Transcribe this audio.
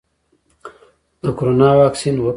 د کرونا واکسین وکړم؟